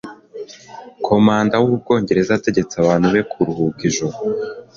Komanda w’Ubwongereza yategetse abantu be kuruhuka ijoro